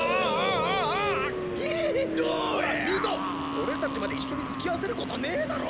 俺たちまで一緒につきあわせることねえだろ！